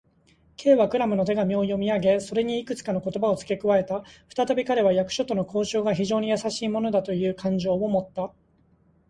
Ｋ はクラムの手紙を読みあげ、それにいくつかの言葉をつけ加えた。ふたたび彼は、役所との交渉が非常にやさしいものなのだという感情をもった。